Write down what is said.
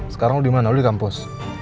sekarang lo dimana lo di kampus